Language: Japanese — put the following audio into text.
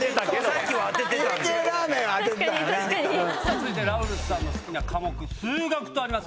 続いてラウールさんの好きな科目数学とあります。